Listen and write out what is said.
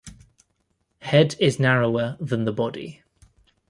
Head is narrower than the body.